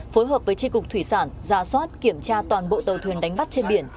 phối hợp với tri cục thủy sản ra soát kiểm tra toàn bộ tàu thuyền đánh bắt trên biển